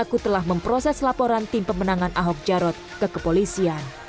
setelah memproses laporan tim pemenangan ahok jarod ke kepolisian